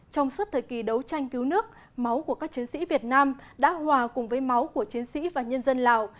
trong suốt thời kỳ đấu tranh cứu nước máu của các chiến sĩ việt nam đã hòa cùng với máu của chiến sĩ và nhân dân lào